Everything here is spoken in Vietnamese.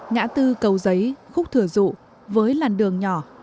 ngã tư cầu giấy khúc thừa dụ với làn đường nhỏ